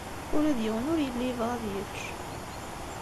Ula d yiwen ur yelli yebɣa ad yečč.